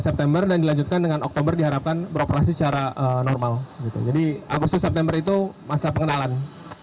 kementerian perhubungan dan tiga konsultan dikabari mendatang